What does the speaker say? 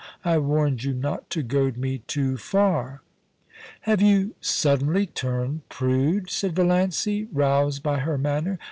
I warned you not to goad me too far.' * Have you suddenly turned prude ? said Valiancy, roused by her manner.